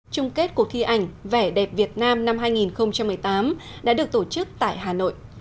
trung kết cuộc thi ảnh vẻ đẹp việt nam năm hai nghìn một mươi tám đã được tổ chức tại hà nội